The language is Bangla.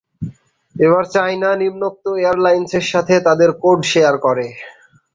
এয়ার চায়না নিম্নোক্ত এয়ারলাইন্সের সাথে তাদের কোড শেয়ার করে।